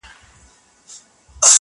که پاچا دی که امیر ګورته رسیږي.!